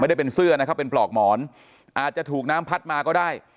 ได้เป็นเสื้อนะครับเป็นปลอกหมอนอาจจะถูกน้ำพัดมาก็ได้